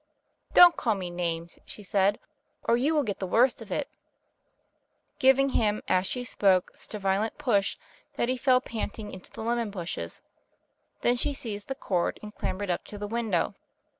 "Don't call me names," she said, "or you will get the worst of it," giving him as she spoke such a violent push that he fell panting into the lemon bushes. Then she seized the cord and clambered up to the window.